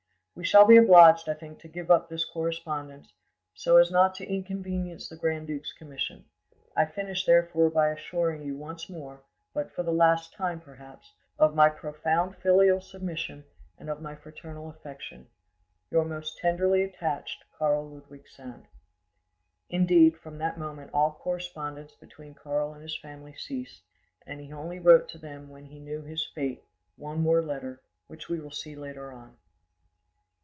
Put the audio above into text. "We shall be obliged, I think, to give up this correspondence, so as not to inconvenience the grand duke's commission. I finish, therefore, by assuring you, once more, but for the last time, perhaps, of my profound filial submission and of my fraternal affection.—Your most tenderly attached "KARL LUDWIG SAND." Indeed, from that moment all correspondence between Karl and his family ceased, and he only wrote to them, when he knew his fate, one more letter, which we shall see later on.